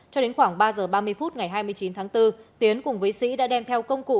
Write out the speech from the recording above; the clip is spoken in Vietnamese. cho đến khoảng ba giờ ba mươi phút ngày hai mươi chín tháng bốn tiến cùng với sĩ đã đem theo công cụ